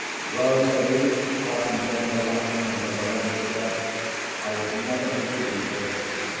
"Well," said he, clapping down the lantern on the verandah steps, "I would never have believed it.